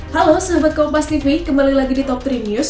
halo sahabat kopastv kembali lagi di top tiga news